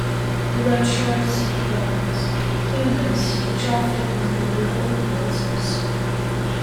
He wrote short, simple poems, humorous, which often included colloquialisms.